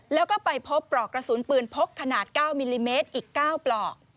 แล้วก็ไปพบปลอกกระสุนปืนพกขนาด๙มิลลิเมตรอีก๙ปลอก